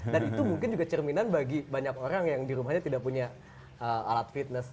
dan itu mungkin juga cerminan bagi banyak orang yang di rumahnya tidak punya alat fitness